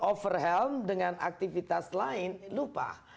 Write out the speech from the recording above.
overhelm dengan aktivitas lain lupa